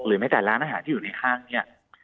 หรือห้างะหารที่อยู่ในห้างเนี่ย